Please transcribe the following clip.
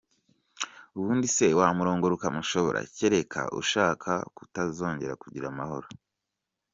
ubundi c, wamurongora ukamushobora, kereka ushaka kutazongera kugira amahoro.